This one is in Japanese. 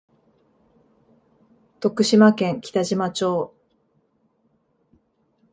徳島県北島町